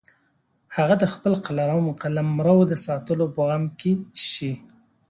هغه د خپل قلمرو د ساتلو په غم کې شي.